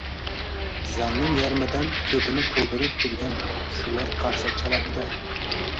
Zalning yarmidan ko‘pini to‘ldirib turgan shular qarsak chaladi-da.